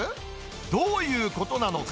どういうことなのか。